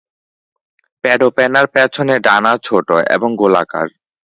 পেডোপেনার পেছনের ডানা ছোট এবং গোলাকার।